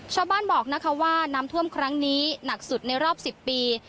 ชาวบ้านบอกนะคะว่าน้ำท่วมครั้งนี้หนักสุดในรอบ๑๐ปี